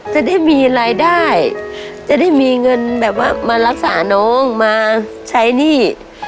จะได้มีรายได้จะได้มีเงินแบบว่ามารักษาน้องมาใช้หนี้